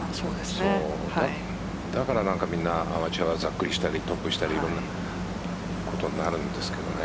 だから、みんなアマチュアはざっくりしたり、トップしたりということになるんですかね。